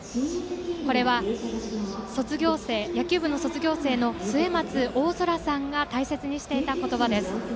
これは、野球部の卒業生末松大空さんが大切にしていた言葉です。